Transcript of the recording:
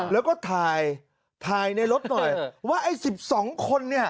แล้วก็ถ่ายถ่ายในรถหน่อยว่าไอ้๑๒คนเนี่ย